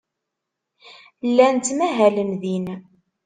Llan ttmahalen din.